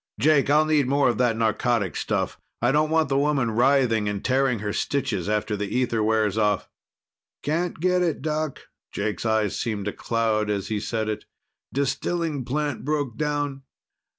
"Jake, I'll need more of that narcotic stuff. I don't want the woman writhing and tearing her stitches after the ether wears off." "Can't get it, Doc." Jake's eyes seemed to cloud as he said it. "Distilling plant broke down.